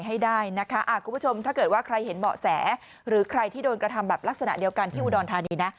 ให้ได้นะคะคุณผู้ชมถ้าเกิดว่าใครเห็นเบาะแสหรือใครที่โดนกระทำแบบลักษณะเดียวกันที่อุดรธานีนะ